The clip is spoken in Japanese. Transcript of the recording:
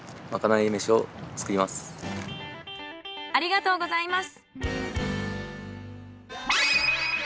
ありがとうございます。